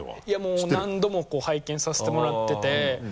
もう何度も拝見させてもらってて。